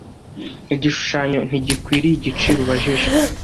Igishushanyo ntigikwiye igiciro ubajije.